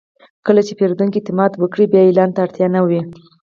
کله چې پیرودونکی اعتماد وکړي، بیا اعلان ته اړتیا نه وي.